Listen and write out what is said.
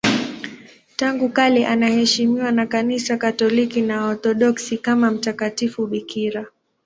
Tangu kale anaheshimiwa na Kanisa Katoliki na Waorthodoksi kama mtakatifu bikira.